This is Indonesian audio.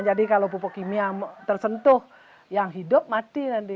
jadi kalau pupuk kimia tersentuh yang hidup mati nanti